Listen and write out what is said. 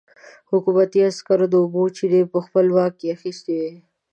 حکومتي عسکرو د اوبو چينې په خپل واک کې اخيستې وې.